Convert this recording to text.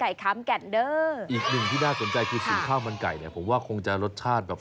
อีกหนึ่งที่น่าสนใจคือสีข้าวมันไก่เนี่ยผมว่าคงจะรสชาติแบบ